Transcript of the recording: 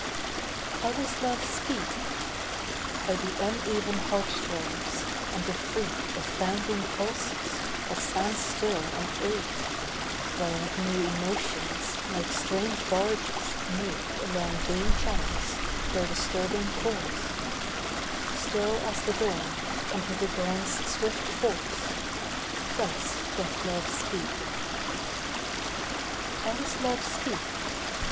How does Love speak? By the uneven heart throbs, and the freak Of bounding pulses that stand still and ache, While new emotions, like strange barges, make Along vein channels their disturbing course; Still as the dawn, and with the dawn's swift force Thus doth Love speak. How does Love speak?